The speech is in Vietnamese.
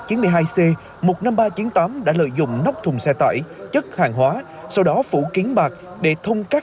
chín mươi hai c một mươi năm nghìn ba trăm chín mươi tám đã lợi dụng nóc thùng xe tải chất hàng hóa sau đó phủ kiến bạc để thông các